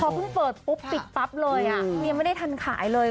เพิ่งเปิดปุ๊บปิดปั๊บเลยยังไม่ได้ทันขายเลย